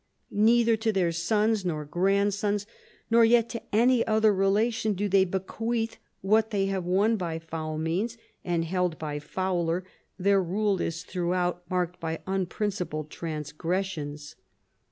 Neither to their sons nor grandsons, nor yet to any other relation, do they bequeath what they have won by foul means, and held by fouler ; their rule is throughout marked by unprincipled transgressions.